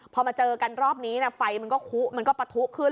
พอมาเจอกันรอบนี้ไฟมันก็ปะทุขึ้น